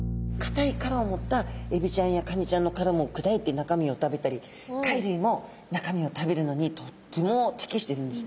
たいからをもったエビちゃんやカニちゃんのからもくだいてなかみを食べたり貝るいもなかみを食べるのにとってもてきしてるんですね。